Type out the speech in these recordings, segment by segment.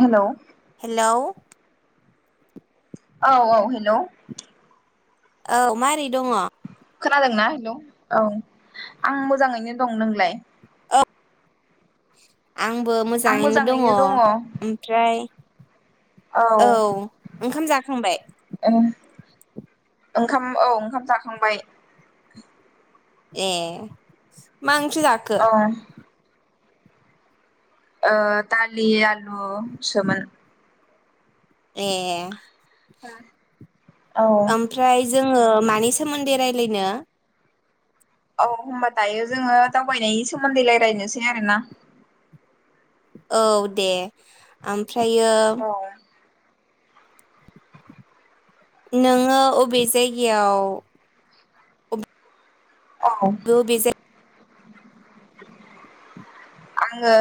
हेल' hello औ औ hello औ मारै दङ? खोनादोंना हेलौ? औ आं मोजाङैनो दं। नोंलाय? आंबो मोजाङैनो दङ। ओमफ्राय औ ओंखाम जाखांबाय। ओंखाम औ ओंखाम जाखांबाय। ए मा ओंख्रि जाखो? औ ओ दालि आलु सोमोन। ए औ ओमफ्राय जोङो मानि सोमोन्दै रायलायनो? औ होमबा दायो जोङो दावबायनायनि सोमोन्दै रायलायनोसै आरोना। औ दे आमफ्रायो औ नोङो अबे जायगायाव औ अबे अबे जाय आङो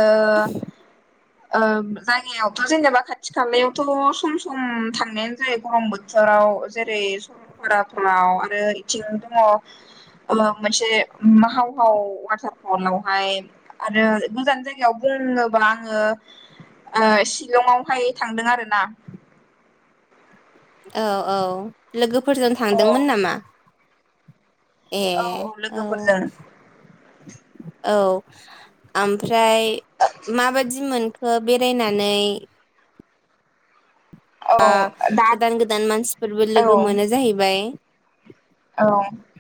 ओ जायगायावथ' जेनेबा खाथि खालायावथ' सम सम थांनायानो जायो गरम बोथो राव जेरै सरलपाराफोराव आरो इथिंनो दङ [unintelligible] वाटार फलावहाय आरो गोजान जायगायाव बोरनोबा आङो ओ सिलंआवहाय थांदों आरो ना। औ औ लोगोफोरजों औ थांदोंमोन नामा? ए औ औ लोगोफोरजों औ। ओमफ्राय माबादि मोनखो बेरायनानै? औ बा दा गोदान गोदान मानसिफोरबो औ लोगो मोनो जाहैबाय। औ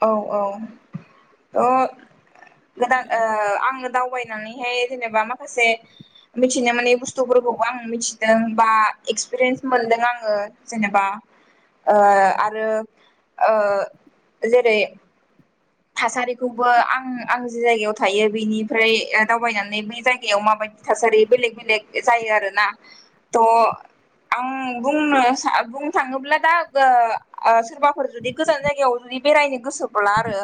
औ औ ओ गोदान ओ आं दावबायनानैहाय जेनेबा माखासे मिथिनो मोनै बुस्थुफोरखौबो आं मिथिदों बा एक्सपिरियेन्स मोनदों आङो जेनेबा ओ आरो ओ जेरै थासारिखौबो आं आं जि जायगायाव थायो बैनिफ्राय दावबायनानै बे जायगायाव माबाय थासारि बेलेक बेलेक जायो आरोना थ' आं बुंनो सा बुंनो थाङोब्ला दा ओ ओ सोरबाफोर जुदि गोजान जायगायाव बिदि बेरायनो गोसोब्ला आरो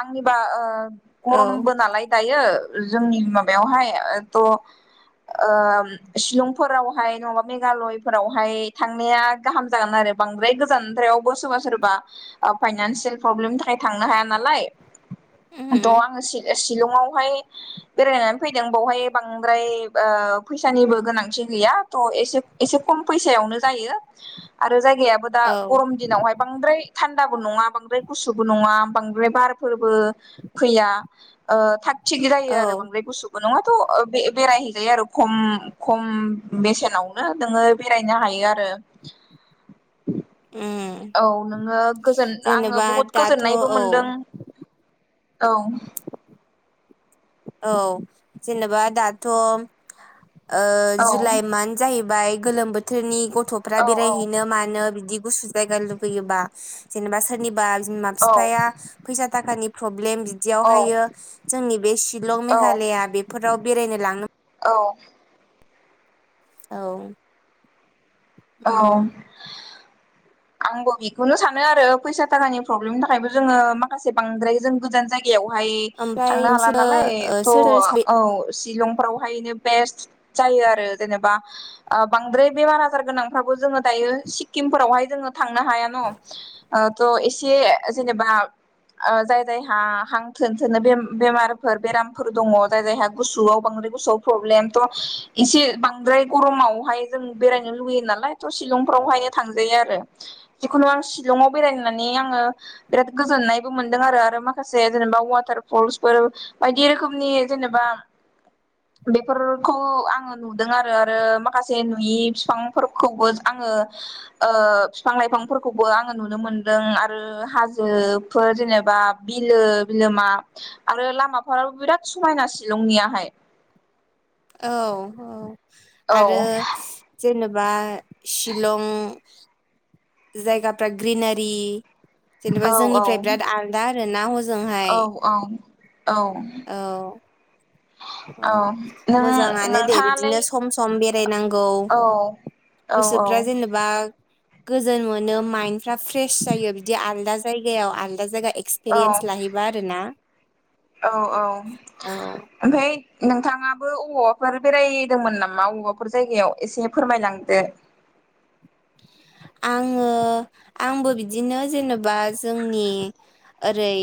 आंनिबा ओ औ गरमबो नालाय दायो जोंनि माबायावहाय ओ थ' ओ सिलंफोरावहाय नङाबा मेगालयफोरावहाय थांनाया गाहाम जागोन आरो। बांद्राय गोजानद्रायावबो सोरबा सोरबा फाइनानसियेल फ्रब्लेमनि थाखाय थांनो हाया नालाय द उम आङो सिले सिलंआवहाय बेरायनानै फैदों बावहाय बांद्राय ओ फैसानिबो गोनांथि गै या थ' एसे एसे खम फैसायावनो जायो आरो जाय गायाबो दा औ गरम दिनावहाय बांद्राय थानदाबो नङा बांद्राय गुसुबो नङा बांद्राय बारफोर बो फैया ओ थाग थिग जायो आरो औ बांद्राय गुसुबो नङा थ' बे-बेरायहैजायो आरो खम खम बेसेनावनो नोङो बेरायनो हायो आरो। ओ उम औ नोङो गोजोन आङो जेनेबा बहुद दाथ' औ गोजोननायबो मोनदों। औ औ जेनेबा दाथ' ओ औ जुलाइ मान्थ जाहै बाय गोलोम बोथोरनि गथ'फ्रा औ बेरायहैनो मानो बिदि गुसु जायगा लुुबैयोबा जेनेबा सोरनिबा बिमा औ फिफाया फैसा थाखानि प्रब्लेम बि औ बिदियावहायो जोंनि बे सिलं मेघालया बेफोराव बेरायनो लांनो औ औ औ उम आंबो बेखौनो सानो आरो फैसा थाखानि प्रब्लेमनि थाखायबो जोनङो माखासे बांद्राय जों गोजान जाय जायगायावहाय ओमफ्राय थांनो हाला नोंसोरो नालाय ओ थ सोर सोर औ शिलं फ्रावहायनो बेस्ट जायो आरो जेनेबा ओ बांद्राय बेमार आजार गोनां फ्रा जोंङो दायो सिक्किमफोरावहाय जोंङो थांनो हाया न थ' एसे जेनेबा ओ जाय जायहा हां थोनो थोनो बेमारफोर बेरामफोर दङ जाय जायहा गुसुआव बांद्र बांद्राय गुसुआव फ्रब्लेम एसे बांद्राय गरमावहाय जों बेरायनो लुैयो नालाय लाय थ शिलं फ्रावहायो थांजायो आरो जिखुनु आं शिलंआव बेरायनानै आंङो बेराद गो गोजोन्नायबो मोनदों आरो माखासे जेनेबा वाटार फलसफोर बायदि रोखोमनि जेनेबा बेफोरखौ आंङो नुदों आरो आरो माखासे नुयि फिफांफोर खौबो आङो ओ बिफां लाइफांफोरखौबो आङो नुनो मोनदों आरो हाजो फोर जेनेबा बिल बिलोमा आरो लामाफोराब बिराद समायना शिलंनि नियाहाय औ औ आरो जेनेबा शिलं जायगाफ्रा ग्रिनारि जेनेबा औ औ जोंनिफ्राय बिराद आलदा आरो ना हजों औ औ औ अ औ नों मोजाङानो दे नोंथाङालाय बिदिनो सम सम बेरायनांगौ औ औ औ गोसोफ्रा जेनेबा गोजोन मोनो माइन्दफ्रा फ्रेस जायो बिदि आलदा जायगायाव आलदा जायगा औ एक्सपिरियेन्स लाहैबा आरोना औ औ ओमफ्राय नोंथाङा बो अबावबाफोर बेरायदोंमोन नामा अबावबाफोर जायगायाव एसे फोरमायलांदो आङो आंबो बिदिनो जेनेबा जोंनि ओरै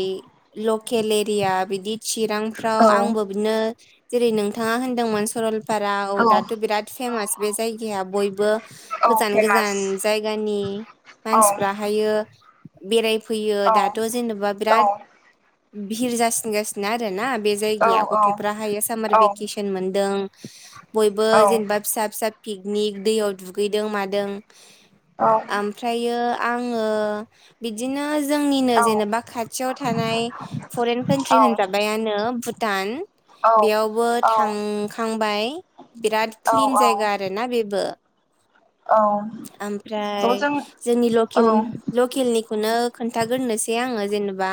लकेल एरिया बिदि चिरांफ्राव औ आंबो बिदिनो जेरै नों नोंथाङा होनदोंमोन सरलपारा औ दाथ बिराद फेमास बे जायगाया बयबो औ गोजान गोजा फेमास गोजान जायगानि औ मानसिफ्राहायो बेराय फैयो औ दाथ जेनबा औ बिराद भिर जासिनगासिनो ना आरो ना बे औ जायगाया गथ'फ्राहायो सामार औ भेकेसन मोनदों बयबो औ जेनेबा फिसा फिसा पिकनिक दैयाव दुगैदों मादों औ ओमफ्रायो आंङो बिदिनो जोंनिनो औ जेनेबा खाथियाव थानाय फरेन कान्ट्रि औ होनजाबायानो भुटान औ थ' जों बेयावबो औ औ थांखांबाय बिराद क्लिन जायगा आरोना बेबो ओमफ्राय जोंनि लकेल लकेलनिखौनो खोन्थागोरनोसै आंङो जेनेबा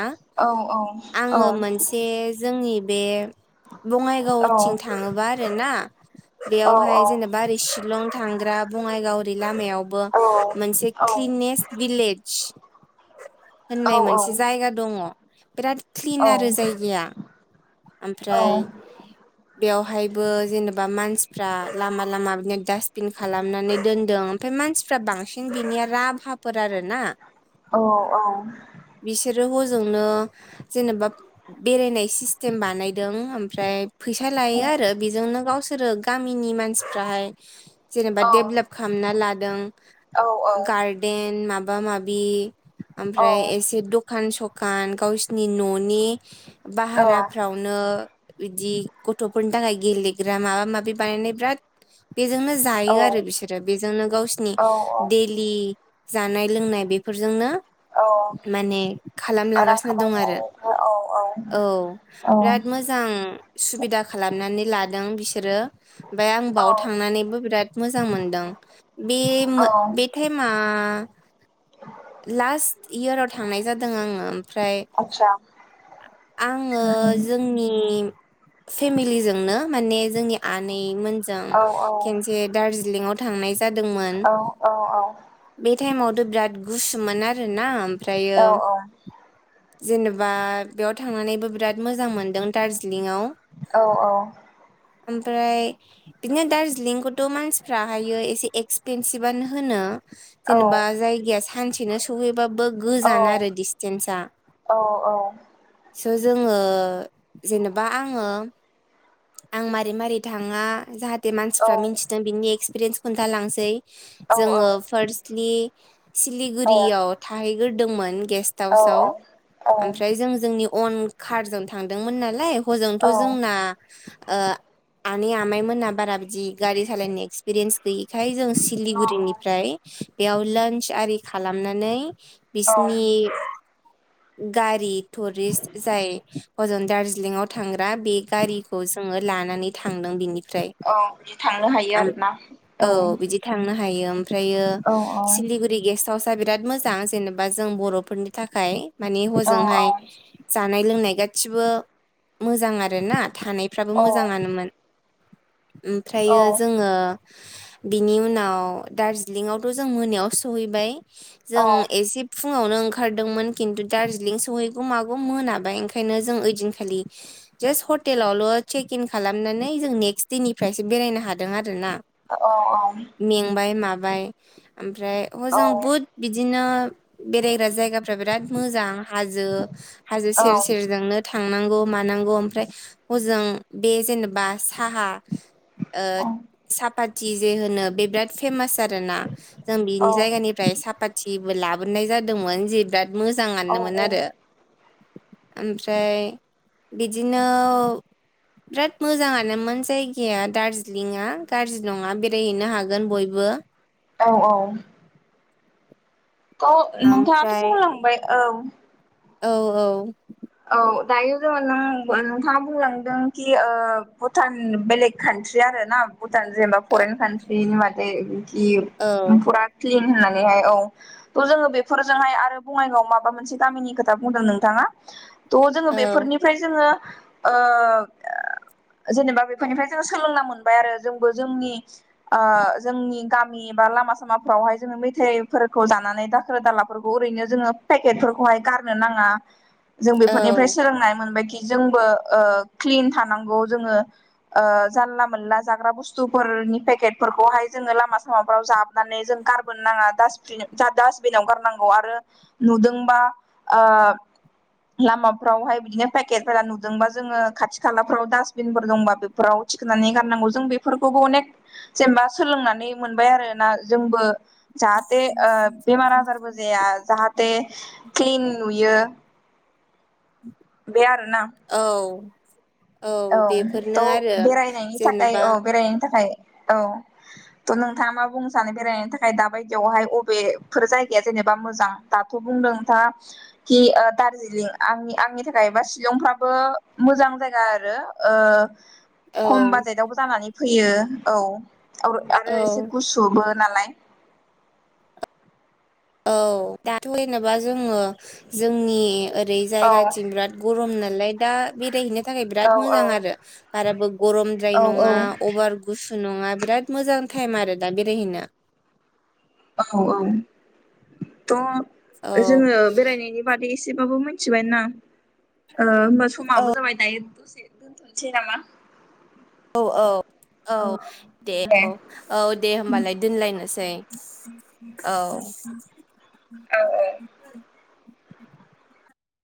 आंङो मोनसे जोंनि बे बङाइगावथिं थाङोबा आरोना बेयावहाय जेनेबा ओरै शिलं थांग्रा बङाइगाव ओरै लामायावबो मोनसे क्लिनेस्ट भिलेज होननाय मोनसे जायगा दंङ बिराद क्लिन आरो जायगाया ओमफ्राय बेवहायबो जेनेबा बा मानसिफ्रा लामा लामा बिदिनो डास्टबिन खालामनानै दोन दोनदों ओमफ्राय मानसिफ्रा बांसिन बिनिया राभा फोर आरोना औ बिसोर हजोंनो जेनेबा बेरायनाय सिस्टेम बानायदों ओमफ्राय फैसा औ लायो औ आरो बेजोंनो गावसोरो गामिनि मानसिफ्राहाय जेनेबा औ डेभलप खालामना लादों गार्देन माबा माबि ओमफ्राय एसे दखान सखान गावसिनि न'नि भाहेराफ्रावनो बिदि गथ'फोरनि थाखाय गेलेग्रा माबा माबि बानायनाय बिराद बेजोंनो जायो आरो बिसोरो बेजोंनो गावसिनि औ देलि जानाय लोंनाय बेफोरजोंनो औ माने रां खालामलांगासिनो दं खामायनो आरो हायो औ औ औ बिराद मोजां सुबिदा खालामनानै ला दों बिसोरो ओमफ्राय आं औ बाव थांनानैबो बिराद मोजां मोनदों। बे औ बे टाइम आ लास्ट इयाराव थांनाय जादों आङो ओमफ्राय आतसा आङो जोंनि फेमिलिजोंनो माने जोंनि आनै मोनजों औ खेनसे दार्जिलिंआव थांनाय जादोंमोन औ औ बे टाइमावथ' बिराद गुसुमोन आरोना औ ओमफ्रायो औ जेनेबा बेयाव थांनानैबो बिराद मोजां मोनदों दार्जिलिंआव औ औ ओमफ्राय बिदिनो दार्जिलिंखौथ' मानसिफ्राहायो एसे एक्सपेनसिभ आनो होनो। औ जेनेबा जायगाया सानसेनो सहैबाबो गोजान आरो डिसटेन्सआ अ स' जोङो जेनेबा आङो आं मारै मारै थाङा जाहाथे मानसिफ्रा मिनथिथों बिनि एक्सपिरियन्सखौनो खोन्थलांसै जोङो फार्स्टलि सिलिगुरियाव थाहैग्रोदोंमोन गेस्ट हाउसआव औ ओमफ्राय जों जोंनि अन कारजों थांदोंमोन नालाय हजोंथ' जोंना ओ आनै आमाइमोनहा बारा बिदि गारि सालायनो एक्सपिरियेन्स गैयिखाय जों सिलिगुरिनिफ्राय बेयाव लान्स आरि खालामनानै औ बिसिनि [inaudible] गारि टुरिस्ट जाय हजों दार्जिलिंआव थांग्रा बे गारिखौ लानानै थांदों बिनिफ्राय बिदि थांनो हायो आरोना औ बिदि थांनो हायो ओमफ्रायो औ सिलिगुरि गेस्ट हाउसा बिराद मोजां जेने बा जों बर'फोरनि थाखाय माने औ हजोंहाय जा नाय लोंनाय गासिबो मोजां आरो ना थानायफ्राबो औ मोजांआनोमोन। ओमफ्रायो जोङो बिनि उनाव दार्जिलिंआवथ' जों मोनायाव सहैबाय। औ जों एसे फुङावनो ओं खारदोंमोन खिन्थु दारजिलिं सहैगौ मागौ मोनाबाय ओंखायनो जों ओइदिनखालि जासत हटेलावल' चेकिं खालामनानै जों नेक्स्ट देनिफ्रायसो बेरायनो हादों आरो ना अ अम बाय ओमफ्राय हजों बहुत बिदिनो बेरायग्रा जायगाफ्रा बिराद मोजां हाजो हाजो सेर सेरजोंनो थांनांगौ मानांगौ ओमफ्राय हजों बे जेनेबा साहा सापाथि जे होनो बे बिराद फेमास आरोना जों औ बिनि जायगानिफ्राय साफाथिबो लाबोनाय जादोंमोन जे बिराद औ मोजाङानो‌ मोन आरो। ओमफ्राय बिदिनो बिराद मोजाङानोमोन जायगाया दारजिलिङा गाज्रि नङा बेरायहैनो हागोन बय बो औ औ अ नोंथाङाथ' ओमफ्राय बुंलांबाय औ औ औ औ दायो जोङो नों नोंथाङा बुंलांदों कि ओ भुटान बेलेग‌‌ का न्ट्रि आरो ना भुट जेनेबा फरेन कान्ट्रिनि मादे बिदि औ फुरा क्लिन होननानै हाय औ थ' जोङो बेफोरजोंहाय आरो बङाइगावआव माबा मोनसे गामिनि खोथा बुंदों नोंथाङा थह जोङो औ बेफोरनिफ्राय जोङो ओ जेनेबा बेफोरनिफ्राय जोंङो सोलोंना मोनबाय आरो जोंबो जोंनि ओ जोंनि गामि बा लामा सामाफ्रावहाय जों मेथाइफोरखौ जानानै दाखोर दालाफोरखौ ओैनो जोङो पेकेटफोरखौहाय गारनो नाङा जों बेफोरनिफ्राय औ सोलोंनाय मोनबाय खि जोंबो ओ क्लिन थानांगौ जोङो ओ जानला मोनला जाग्रा बुस्थुफोर नि पेकेटफोरखौहाय जोङो लामा सामाफ्राव जानानै जों गारबोनो नाङा दास्टबिन जोंहा थाबसिनाव गार नांगौ आरो नुदोंबा ओ लामाफ्रावहाय बिदिनो पेकेटफोरा नुदोंबा जोङो खाथि खालाफ्राव दास्टबिनफोर दंबा बेफोराव सानै गारनांगौ जों बेफोरखौबो अनेक जेनेबा सोलोंनानै मोनबाय आरोना जोंबो जाहाथे ओ बेमार आजारबो जाया जाहाथे क्लिन नुयो बेआरो‌ ना औ औ बेफोरनो थ' आरो बेरायनायनि थाखाय जेनेबा औ बेरायनायनि थाखाय औ थ' नोंथाङा मा बुंनो सानो बेरायनायनि थाखाय दाबायदियावहाय अबेफोर जायगाया जेने बा दाथ' बुंदों नोंथाङा खि ओ दारजिलिं आंनि आंनि थाखायाबा सिलंफ्राबो मोजां जायगा आरो‌ ओ औ खम बाजेटावबो जानानै फैयो औ ओ औ आरो एसे गुसुबो नालाय औ दाथ' जेनेबा जोङो जोंनि ओ रै औ जायगाथिं बिराद गरम नालाय दा बेरायहैनो थाखाय औ बिराद औ मोजां आरो बाराबो गरमद्राय औ नङा अभार गुस बो नङा बिराद मोजां टाइम आरो दा बेरायहैनो औ औ थ' औ जोङो बेरायनायनि बादै एसे जसेबाबबो मिथिबायना होमबा औ समाबो जाबाय दायो द दोनथ'नोसै नामा औ औ औ दे औ औ दे हबालाय दोनलायनोसै औ औ औ